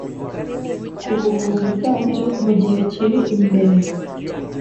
ku buvuzi bwabyo mu gihe kiri imbere.”